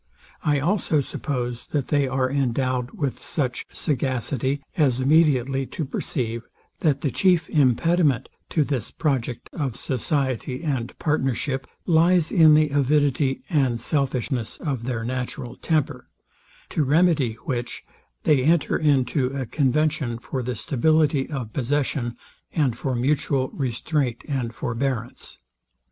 I also suppose, that they are endowed with such sagacity as immediately to perceive, that the chief impediment to this project of society and partnership lies in the avidity and selfishness of their natural temper; to remedy which, they enter into a convention for the stability of possession, and for mutual restraint and forbearance.